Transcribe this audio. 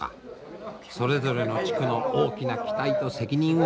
それぞれの地区の大きな期待と責任を担った代表です。